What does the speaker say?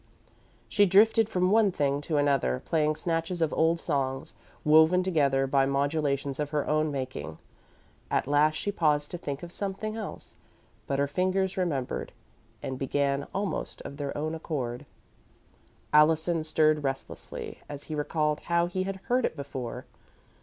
She drifted from one thing to another, playing snatches of old songs, woven together by modulations of her own making. At last she paused to think of something else, but her fingers remembered, and began, almost of their own accord: [Illustration: musical notation.] Allison stirred restlessly, as he recalled how he had heard it before.